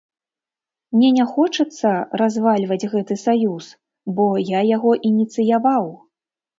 Мне не хочацца развальваць гэты саюз, бо я яго ініцыяваў.